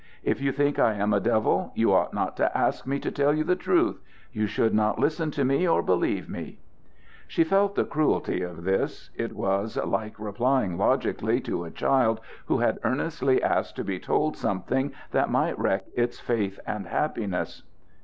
If you think I am a devil, you ought not to ask me to tell you the truth. You should not listen to me or believe me." She felt the cruelty of this. It was like replying logically to a child who had earnestly asked to be told something that might wreck its faith and happiness.